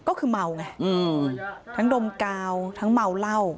ก็คือเมาไงทั้งดมกาวทั้งเมาเหล้า